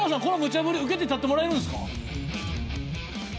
このムチャぶり受けて立ってもらえるんですか？